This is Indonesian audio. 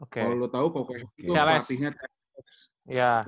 kalo lo tau koko heru itu pelatihnya teres